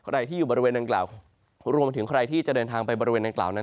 ใครที่อยู่บริเวณดังกล่าวรวมไปถึงใครที่จะเดินทางไปบริเวณดังกล่าวนั้น